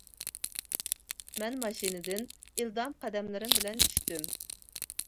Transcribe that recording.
مەن ماشىنىدىن ئىلدام قەدەملىرىم بىلەن چۈشتۈم.